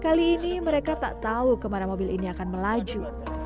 kali ini mereka tak tahu kemana mobil ini akan melaju